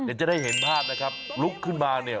เดี๋ยวจะได้เห็นภาพนะครับลุกขึ้นมาเนี่ย